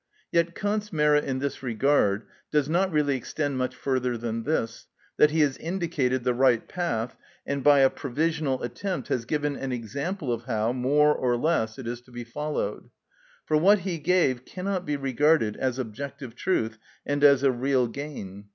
Yet Kant's merit in this regard does not really extend much further than this, that he has indicated the right path, and by a provisional attempt has given an example of how, more or less, it is to be followed. For what he gave cannot be regarded as objective truth and as a real gain.